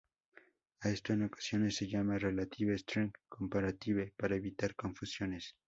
A esto en ocasiones se llama "relative strength comparative" para evitar confusiones.